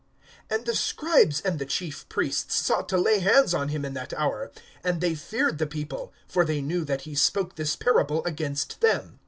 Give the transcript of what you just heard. (19)And the scribes and the chief priests sought to lay hands on him in that hour; and they feared the people; for they knew that he spoke this parable against them.